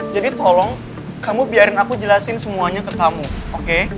jadi tolong kamu biarin aku jelasin semuanya ke kamu oke